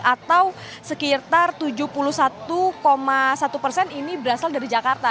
atau sekitar tujuh puluh satu satu persen ini berasal dari jakarta